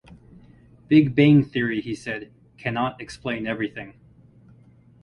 "Big Bang Theory", he said, "cannot explain everything".